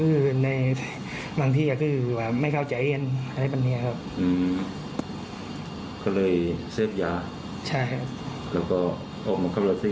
แต่ไม่ได้คิดว่าคนอื่นก็จะเดือดร้อนใช่ไหม